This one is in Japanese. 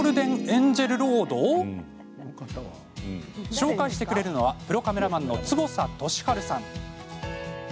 紹介してくれるのはプロカメラマンの坪佐利治さん。